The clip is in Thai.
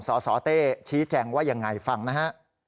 สสเต้ชี้แจงว่ายังไงฟังนะฮะ